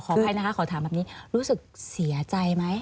อภัยนะคะขอถามแบบนี้รู้สึกเสียใจไหม